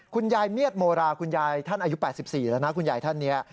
คุณยายเมียดโมราคุณยายท่านอายุ๘๔แล้วนะคุณยายท่านนี้